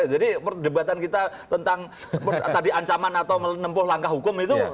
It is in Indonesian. jadi perdebatan kita tentang tadi ancaman atau menempuh langkah hukum itu